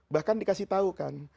bahkan dikasih tahu kan